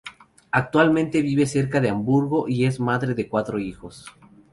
Actualmente vive cerca de Hamburgo y es madre de cuatro hijos.